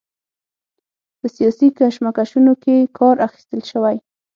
په سیاسي کشمکشونو کې کار اخیستل شوی.